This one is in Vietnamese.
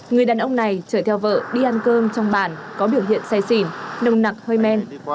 người đàn ông này chở theo vợ đi ăn cơm trong bản có biểu hiện say xỉn nồng nặc hơi men